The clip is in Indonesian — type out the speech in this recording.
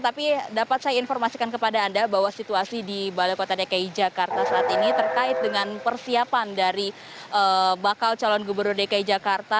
tapi dapat saya informasikan kepada anda bahwa situasi di balai kota dki jakarta saat ini terkait dengan persiapan dari bakal calon gubernur dki jakarta